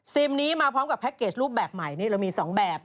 นี้มาพร้อมกับแค็กเกจรูปแบบใหม่นี่เรามี๒แบบ